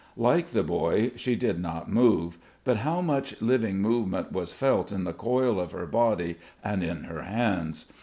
Like the boy she did not move, but how much living movement was felt in the coil of her body and in her hands!